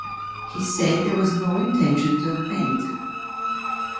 He said there was no intention to offend.